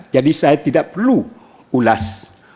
jadi saya tidak perlu ulas